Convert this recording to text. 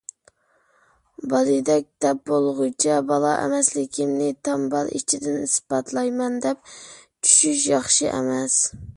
«بالىدەك» دەپ بولغۇچە بالا ئەمەسلىكىمنى تامبال ئىچىدىن ئىسپاتلايمەن، دەپ چۈشۈش ياخشى ئەمەس.